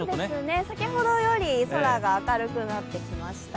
先ほどより空が明るくなってきました。